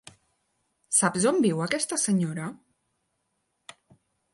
Saps on viu aquesta senyora?